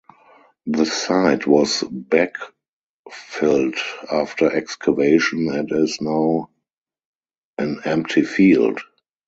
The site was backfilled after excavation and is now an empty field.